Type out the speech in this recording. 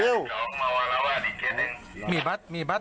ออกไปออกไป